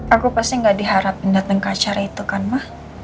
aku pasti gak diharapin datang ke acara itu kan mah